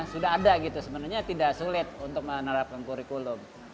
sudah ada gitu sebenarnya tidak sulit untuk menerapkan kurikulum